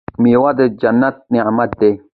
میوه د جنت نعمت دی.